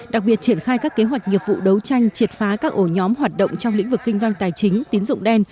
đặc biệt triển khai các kế hoạch nghiệp vụ đấu tranh triệt phá các ổ nhóm hoạt động trong lĩnh vực kinh doanh tài chính tín dụng đen